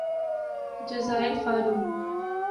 جزائر فارو